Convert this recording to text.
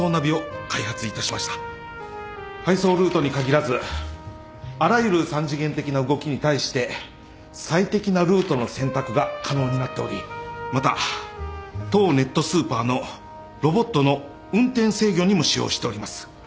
配送ルートに限らずあらゆる三次元的な動きに対して最適なルートの選択が可能になっておりまた当ネットスーパーのロボットの運転制御にも使用しております。